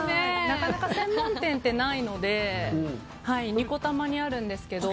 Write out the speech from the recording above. なかなか専門店ってないのでニコタマにあるんですけど。